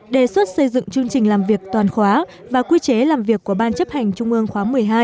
đề xuất xây dựng chương trình làm việc toàn khóa và quy chế làm việc của ban chấp hành trung ương khóa một mươi hai